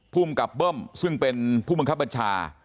ภูมิกับเบิ้มซึ่งเป็นผู้บังคับบัญชา